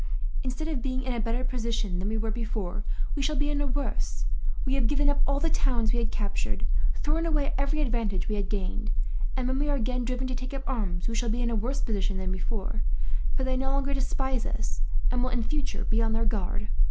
Instead of being in a better position than we were before, we shall be in a worse. We have given up all the towns we had captured, thrown away every advantage we had gained and, when we are again driven to take up arms, we shall be in a worse position than before; for they no longer despise us, and will in future be on their guard.